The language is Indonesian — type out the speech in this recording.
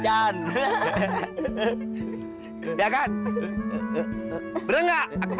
ini udah bener bos